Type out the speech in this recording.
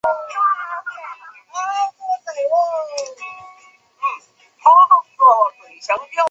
泡芙一颗九十日币